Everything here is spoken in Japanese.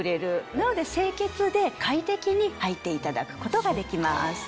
なので清潔で快適にはいていただくことができます。